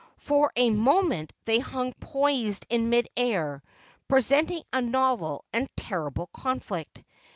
For a moment they hung poised in mid air, presenting a novel and terrible conflict.